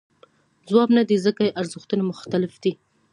ځواب نه دی ځکه ارزښتونه مختلف دي.